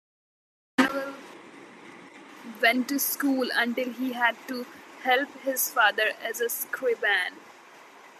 Manuel went to school until he had to help his father as a scriban.